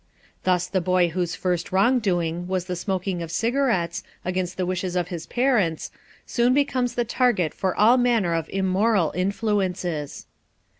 Thus the boy whose first wrong doing was the smoking of cigarettes against the wishes of his parents soon becomes the target for all manner of immoral influences.